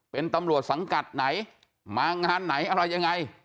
เป็นตำรวจสังกัดไหนมางานไหนอะไรยังไง